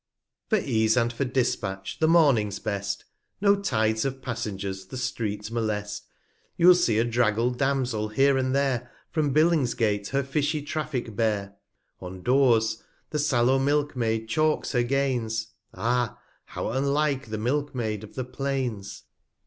6 For Ease and for Dispatch, the Morning's best: No Tides of Passengers the Street molest. You'll see a draggl'd Damsel, here and there, From Billingsgate her fishy Traffick bear; 10 On Doors the sallow Milk maid chalks her Gains; Ah! how unlike the Milk maid of the Plains!